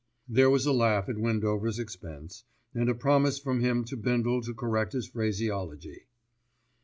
There was a laugh at Windover's expense, and a promise from him to Bindle to correct his phraseology.